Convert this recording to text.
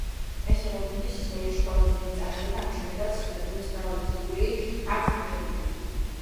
ეს იყო გუნდის ისტორიაში ყველაზე დიდი წარმატება, ამის შემდეგაც გუნდს მრავალი ტიტული აქვს მოგებული.